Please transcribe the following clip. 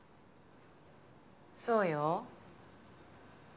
そうよ。